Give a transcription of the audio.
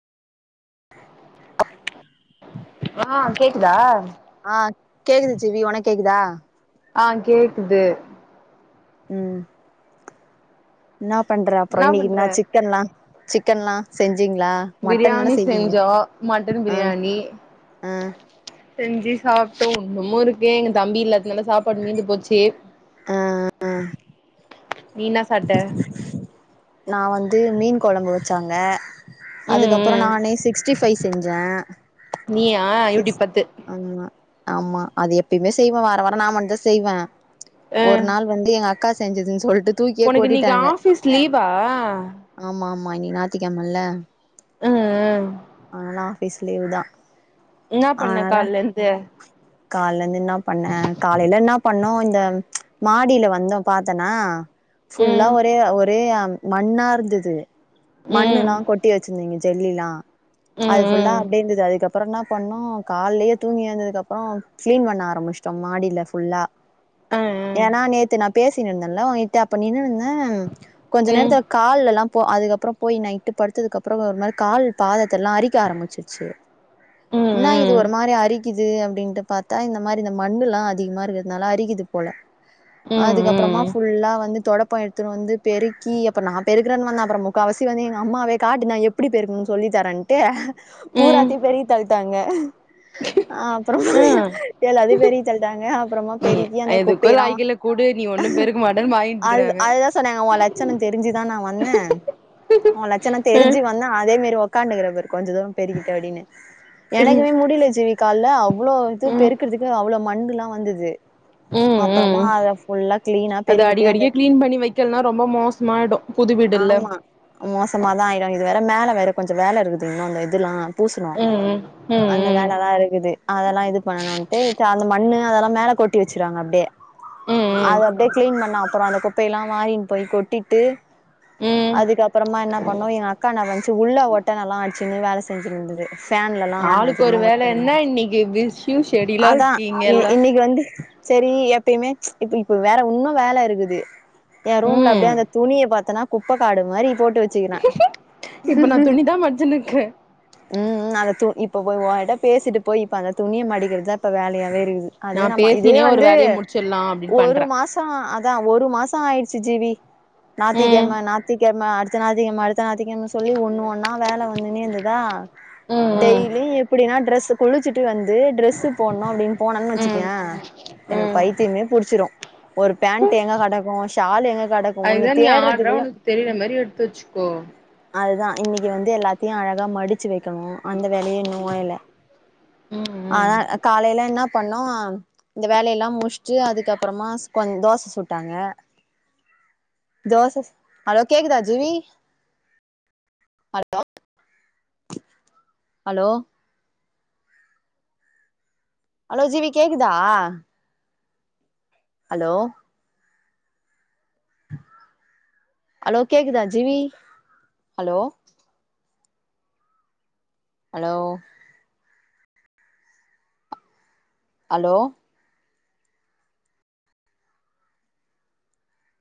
ஆ கேக்குதா ஆ கேக்குது ஜிவி உனக் கேக்குதா ஆ கேக்குது ம் இன்னா பண்ற அப்புறோ என்னா இன்னிக்கு பண்ற என்ன சிக்கன்லா சிக்கன்லா செஞ் பிரியாணி செஞ்சா மட்டன் ஆ பிரியாணி ஆ செஞ்சி சாப் ஒன்னுமும் இருக்கே எங்க தம்பில்ல நல்லா சாப்பாடு மீந்து போச்சு நீங்க சட்ட நான் வந்து மீன் குழம்பு வச்சாங்க ம் அதுக்கப்புறோம் ம் நானே சிக்ஸ்டி பை செஞ்சேன் நீயா யூ டியூப் பாத்து ஆமா அது எப்பயுமே செய்வேன் வார வாரம் நான் மட்டும் தான் செய்வேன் ஆ ஒரு நாள் வந்து எங்க அக்கா செஞ்சதுன்னு சொல் உனக்கு இன்னிக்கு ஆபீஸ் லீவா ஆமா ஆ மா இன்னிக்கி ஞாயித்துகேழமல ம் ம் ஆனா எஸ் லீவ் தான் இன்னா பண்ணக்கால்லந்து கால்லந்து இன்னா பண்ணேன் காலையில இன்னா பண்ணோம் இந்த மாடியில வந்தோம் பாத்தேனா ஃபுல்லா ம் ஒரே ஒரே மண்ணா இருந்தது மண்ணு ம் எல்லாம் கொட்டி வெச்சிருந்தீங்க ஜெல்லிலா அது ம் ஃபுல்லா ம் அப்டியே இருந்தது அதுக்கப் அப்புறோம் என்னா பண்ணோம் கால்லயே தூங்கி ஏந்ததுக்கு அப்புறோம் க்ளீன் பண்ண ஆரம்பிச்சுட்டோம் மாடியில ஃபுல்லா ஆ ஆ ஏன்னா நேத்து நா பேசி இருந்தேன்ல ஒன்ட்ட அப்ப நின்னுன்னு இருந்தேன் கொஞ்ச நேரத் ம் இந்த கால்லல்லாம் போ அதுக்கப்புறோம் போய் நைட்டு படுத்ததுக்குப்புறோம் ஒரு மாரி கால் பாத த்தெல்லா அறிக்க ஆரம்பிச்சிருச்சி ம் இன்னா இது ம் ஒரு மாரி அரிக்கிது து அப்டின்ட்டு பாத்தா இந்த மாரி இந்த மண்ணு எல்லா அதிகமா இருக்கிறதுனால அரிக்கிது போல அதுக்கப்புறமா ம் ஃபுல்லா வந்து தொடப் ப்ப எடுத்துனு வந்து பெருக்கி எப் இப்போ நா பெருக்கிறன் வந்தன் அப்புறோ முக்க வாசி வந்து எங்க அம்மாவே காட்டு நா எப்டி பெருக்கணு சொல்லித்தரன்ட்டு ம் பூராத்தையு பெரிக்கி தல்ட்டாங்க அப்புறோ ம் ஆ எல்லாத்தையு பெரிக்கி தல்ட்டாங்க அப்புறமா நீ பெருக்கி அந்த எதுக்கோ குப்பையெல்லா லாய்க்கில கூடு நீ ஒன்னும் பெருக்க மாட்டேன்னு அது வாங்கிட்டுருக்கறாங்க அதுதா சொன்னாங்க ஓ லட்சனத் தெரிஞ்சிதா நா வந்தே ஓ லட்சனம் ம் தெரிஞ்சி வந்தன் அதே மேரி ஒக் கான்ட்டுகிற பாரு கொஞ்ச தூர பெருக்கிட்ட அப்டின்னு எனக்குமே முடியில செரி கால்ல அ வ்ளோ இது ம் பெருக்கிறதுக்கு அவ்ளோ மண்டுல்லா வந்தது ம் அப்புறமா ம் அத ஃபுல்லா கிளீனா அது பெருகிட்டு அந்த அடிக்கடிக்க கிளீன் பண்ணி வைக்கலனா ரொம்ப மோச ஆமா மோசமாதா ஆயிரும் இது வேற மெத் வேல வேற கொஞ்சம் வேல இருக்குது இன்னும் அந்த இதுல்லா பூசணும் ம் ம் அந்த ம் ம் வேலலா இருக்குது அதெல்லா இது பண்ணணுட்டு அந்த மண்ணு அதெல்லா மேல கொட்டி வச்சிருவாங்க அப்டே ம் ம் அது அப்டே கிளீன் பண்ண அப்புறம் அந்த குப்பையலாம் வாறின் போய் கொட் டிட்டு ம் அதுக்கப்புறமா என்ன பண்ணோம் எங்க அக்கா என்ன பண்ச்சி உள்ள ஒட்டனலாம் அடிச் சினு வேல செஞ்சினுந்தது ஃபேன்லல்லாம் ஆளுக்கு ஒரு அதிகமா வேல ஒட்ட என்ன இன்னைக்கு பிஸியு ஷெடியூலா அதான் இருக்கீங்க இ எல்லா இன்னைக்கு வந்து செரி எப்பயுமே இப்ப இப்ப வேற ஒன்னும் வேல இருக்குது என் ரூம்ல அப்டே ம் அந்த க பாத்தன்னா குப்ப காடு மாரி போட்டு வச்சிக்கிறன் இப்ப நா துணிதா மடிச்சுன்னு இருக்கே ம் ம் அத து இப்ப இப்போ போய் ஓன்ட்ட பேசிட்டு போய் இப்ப அந்த துணிய மடிக்கிறதா இப்ப வேலையாவே இருக்கு து நா அதே நம்ம இதே பேசினே ஒரு வந்து வேலைய முடிச்சிடலா அப்டின்னு ஒரு பண்றே மாசம் அதான் ஒரு மாசம் ஆயிடுச்சி ஜீவி ம் ஞாத்திகெழம ஞாத்திகெழம அடி அடுத்த ஞாத்திக்கெழம அடுத்த ஞாத்திக்கெழம சொல்லி ஒண்ணு ஒன்னா வேல வந்துன்னே இருந்ததா ம் டெய்லியி எப்டின்னா டிரஸ் குளிச்சிட்டு வந்து து டிரெஸ் போனு அப்பிடின் போனன் ம் ம் வச்சிக்கே எனக்கு ம் பைத்தியமே புடிச்சிரு ஒரு பேன் ட்டு எங்க கடக்குமோ ஷால் எங்க கடக்கு ஒன்னு அதுதா நீ ஆடரா உனக்கு தெரிய மாரி எடுத்து வச்சிக்கோ இன்னிக்கு வந்து எல்லாத்தியு அழகா மடிச்சிவைக் க்கனு அந்த வேலையு இன்னு போயல ம் ம் ஆனாக் காலையிலா இன்னா பண்ணோ இந்த வேலையெல்லா முஷ்ட்டு அதுக்கப்புறமா கொஞ் தோச சுட்டாங்க தோச சு ஹலோ கேக்குதா GV hello hello hello GV கேக்குதா ஹலோ ஹலோ கேக்குதா ஜிவி ஹலோ ஹலோ ஹலோ